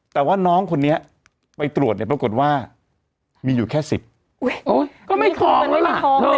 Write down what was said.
แต่ว่าน้องคนนี้ไปตรวจเนี่ยปรากฏว่ามีอยู่แค่๑๐ก็ไม่ทองแล้วล่ะ